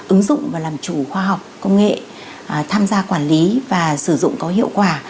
ứng dụng và làm chủ khoa học công nghệ tham gia quản lý và sử dụng có hiệu quả